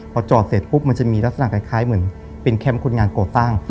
พอจอดเสร็จปุ๊บมันจะมีลักษณะคล้ายเหมือนเป็นแคมป์คนงานก่อตั้ง